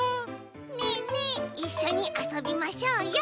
「ねえねえいっしょにあそびましょうよ」。